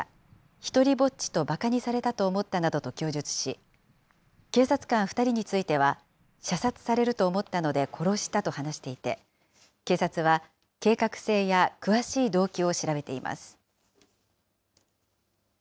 独りぼっちと、ばかにされたと思ったなどと供述し、警察官２人については、射殺されると思ったので殺したと話していて、警察は計画性や詳しい動機を調べています。